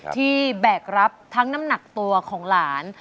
แบกรับทั้งน้ำหนักตัวของหลาน